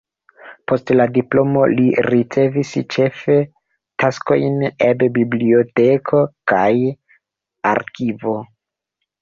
Post la diplomo li ricevis ĉefe taskojn eb biblioteko kaj arkivo.